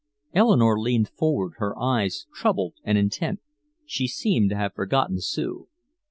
Eleanore leaned forward, her eyes troubled and intent. She seemed to have forgotten Sue.